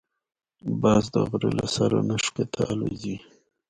باز د غره له سر نه ښکته الوزي